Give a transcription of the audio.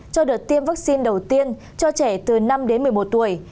cho đợt tiêm vaccine đầu tiên cho trẻ từ năm đến một mươi một tuổi